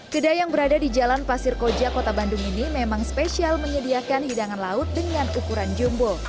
kedai yang berada di jalan pasir koja kota bandung ini memang spesial menyediakan hidangan laut dengan ukuran jumbo